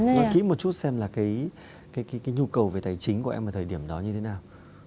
nhưng kỹ một chút xem là cái nhu cầu về tài chính của em ở thời điểm đó như thế nào